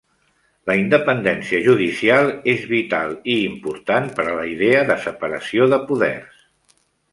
La independència judicial és vital i important per a la idea de separació de poders.